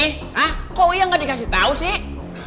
hah kok iya ga dikasih tau sih